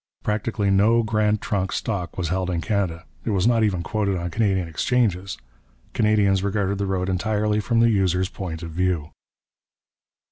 Practically no Grand Trunk stock was held in Canada; it was not even quoted on Canadian exchanges; Canadians regarded the road entirely from the user's point of view.